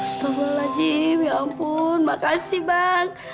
astagfirullahaladzim ya ampun makasih bang